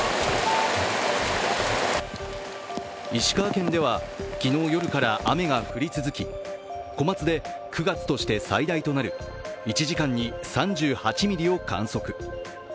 石川県では昨日夜から雨が降り続き小松で９月として最大となる１時間に３８ミリを観測。